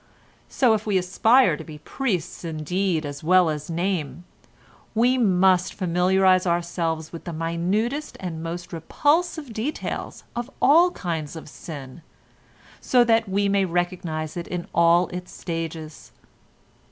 So if we aspire to be priests in deed as well as name, we must familiarise ourselves with the minutest and most repulsive details of all kinds of sin, so that we may recognise it in all its stages.